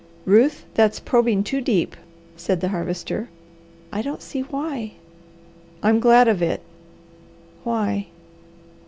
"Ruth, that's probing too deep," said the Harvester. "I don't see why!" "I'm glad of it!" "Why?"